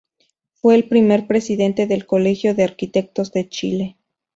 Fue el primer presidente del Colegio de Arquitectos de Chile.